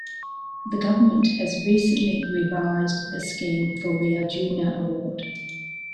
The Government has recently revised the scheme for the Arjuna Award.